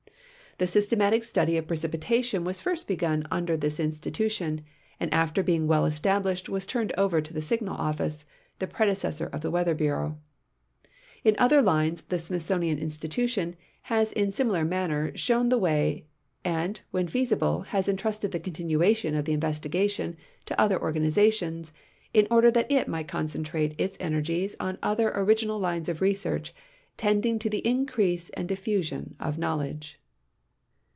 The systematic study of precipitation was first begun under this institution, and after being well established was turned over to the Signal Office, the predecessor of the ^^'eather Bureau. In other lines the Smithsonian Institution has in similar manner shown the way, and when feasible has entrusted the continuation of the investigations to other organ izations, in order that it might concentrate its own energies on other original lines of research tending to "the increase and dif fusion of knowledge."